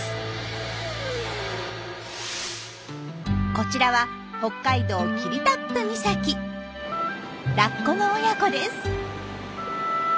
こちらはラッコの親子です。